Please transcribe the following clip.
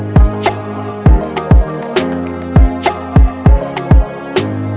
ya tapi bayi